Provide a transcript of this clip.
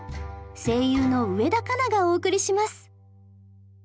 声優の植田佳奈がお送りします。